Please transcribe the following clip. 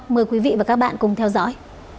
mời quý vị và các bạn cùng theo dõi